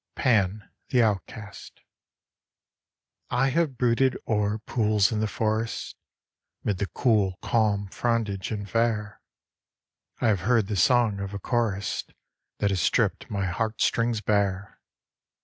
Pan the Outcast I HAVE brooded o'er pools in the forest, Mid the cool, calm frondage and fair. I have heard the song of a chorist That has stripped my heartstrings bare.